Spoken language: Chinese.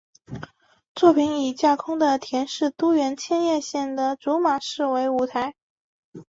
作品以架空的田园都市千叶县的竹马市为舞台。